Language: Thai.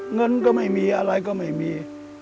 เงินก็ไม่มีอะไรก็ไม่มี